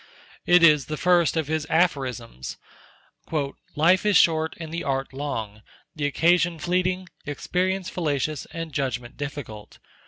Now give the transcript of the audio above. It is the first of his "Aphorisms": "Life is short, and the Art long; the occasion fleeting; experience fallacious, and judgment difficult.